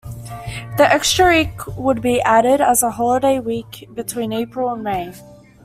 The extra week would be added as a holiday week, between April and May.